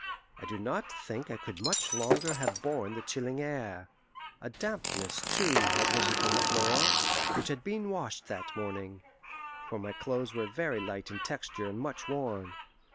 I do not think I could much longer have borne the chilling air a dampness, too, had risen from the floor, which had been washed that morning for my clothes were very light in texture and much worn.